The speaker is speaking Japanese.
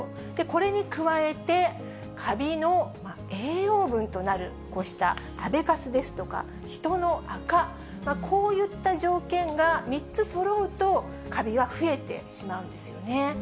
これに加えて、カビの栄養分となる、こうした食べかすですとか、人のアカ、こういった条件が３つそろうと、カビは増えてしまうんですよね。